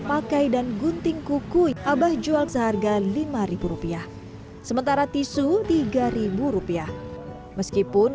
pakai dan gunting kuku abah jual seharga lima rupiah sementara tisu tiga ribu rupiah meskipun